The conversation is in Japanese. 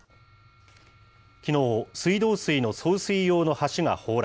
きのう、水道水の送水用の橋が崩落。